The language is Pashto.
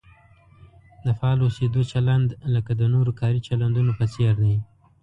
د فعال اوسېدو چلند لکه د نورو کاري چلندونو په څېر دی.